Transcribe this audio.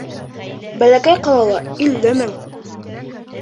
Бәләкәй ҡалала илле мең.